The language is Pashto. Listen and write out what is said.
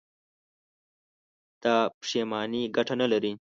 دا پښېماني گټه نه لري.